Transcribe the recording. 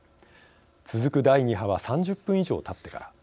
続く第２波は３０分以上たってから。